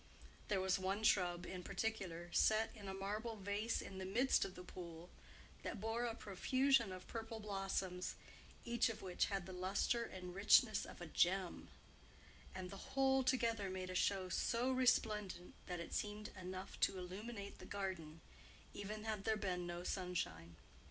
There was one shrub in particular, set in a marble vase in the midst of the pool, that bore a profusion of purple blossoms, each of which had the lustre and richness of a gem; and the whole together made a show so resplendent that it seemed enough to illuminate the garden, even had there been no sunshine.